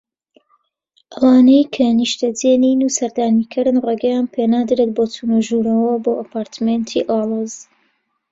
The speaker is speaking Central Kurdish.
ئەوانەی کە نیشتەجی نین و سەردانیکەرن ڕێگەیان پێنادرێت بە چونەژورەوە بۆ ئەپارتمێنتی ئاڵۆز